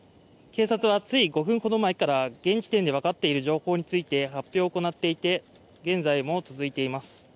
警察はつい５分ほど前から現時点で分かっている情報について発表を行っていて現在も続いています。